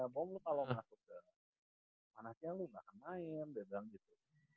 bom lu kalo masuk ke panasya lu gak ngemain bedang gitu